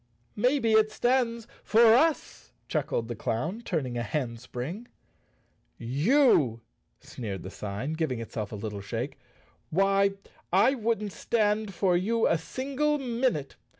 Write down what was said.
"Maybe it stands for us?" chuckled the clown, turn¬ ing a handspring. "You!" sneered the sign, giving itself a little shake. "Why, I wouldn't stand for you a single minute.